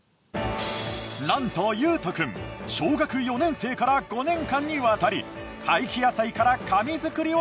なんと優翔君小学４年生から５年間にわたり廃棄野菜から紙作りを研究。